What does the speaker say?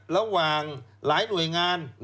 ระหว่างหลายหน่วยงาน